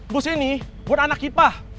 bus ini buat anak hipah